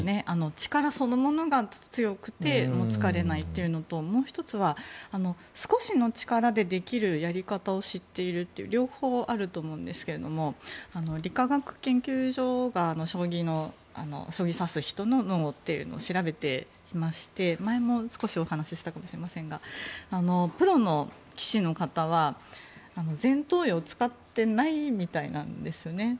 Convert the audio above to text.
力そのものが強くて疲れないというのともう１つは少しの力でできるやり方を知っているという両方あると思うんですが理化学研究所が将棋を指す人の脳を調べていまして、前も少しお話したかもしれませんがプロの棋士の方は前頭葉を使ってないみたいなんですよね。